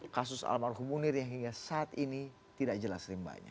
kasus almarhum munir yang hingga saat ini tidak jelas rimbanya